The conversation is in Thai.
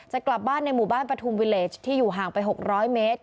จะกลับบ้านในหมู่บ้านปฐุมวิเลสที่อยู่ห่างไป๖๐๐เมตร